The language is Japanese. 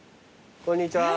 こんにちは。